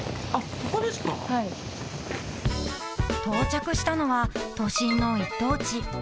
［到着したのは都心の一等地］